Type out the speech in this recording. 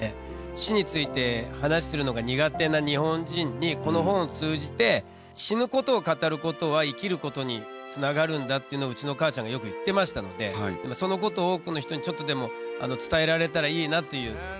死について話するのが苦手な日本人にこの本を通じて、死ぬことを語ることは、生きることにつながるんだっていうのをうちの母ちゃんがよく言ってましたんで、そのことを多くの人にちょっとでも伝えられたらいいなっていう。